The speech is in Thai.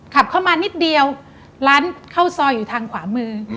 ขับเข้ามานิดเดียวร้านข้าวซอยอยู่ทางขวามือ